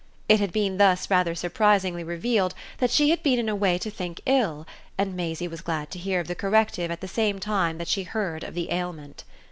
It had been thus rather surprisingly revealed that she had been in a way to think ill, and Maisie was glad to hear of the corrective at the same time that she heard of the ailment.